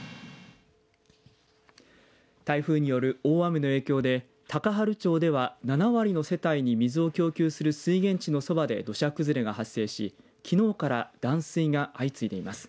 台風による大雨の影響で高原町では、７割の世帯に水を供給する水源地のそばで土砂崩れが発生しきのうから断水が相次いでいます。